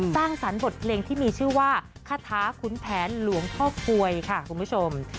สร้างสรรค์บทเพลงที่มีชื่อว่าคาถาขุนแผนหลวงพ่อกลวยค่ะคุณผู้ชม